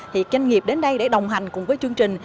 thì doanh nghiệp đến đây để đồng hành cùng với chương trình